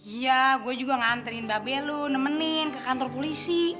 iya gue juga nganterin mbak belu nemenin ke kantor polisi